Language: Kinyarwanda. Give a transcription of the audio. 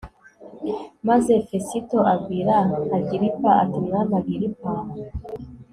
Maze Fesito abwira Agiripa ati Mwami Agiripa